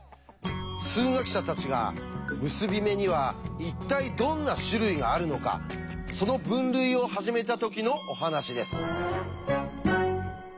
数学者たちが結び目には一体どんな種類があるのかその分類を始めた時のお話です。